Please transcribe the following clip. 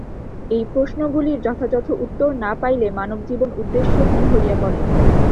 এই প্রশ্নগুলির যথাযথ উত্তর না পাইলে মানবজীবন উদ্দেশ্যহীন হইয়া পড়ে।